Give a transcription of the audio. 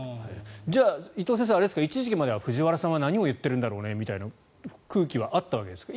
じゃあ、伊藤先生一時期までは藤原さんは何を言ってるんだろうねみたいな空気はあったわけですか。